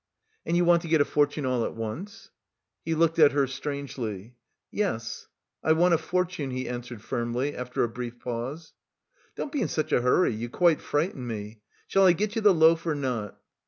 "And you want to get a fortune all at once?" He looked at her strangely. "Yes, I want a fortune," he answered firmly, after a brief pause. "Don't be in such a hurry, you quite frighten me! Shall I get you the loaf or not?"